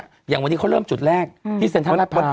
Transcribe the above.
อย่างวันนี้เขาเริ่มจุดแรกที่เซ็นทรัลราชพร